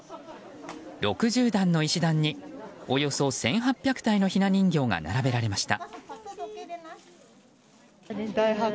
６０段の石段におよそ１８００体のひな人形が並べられました。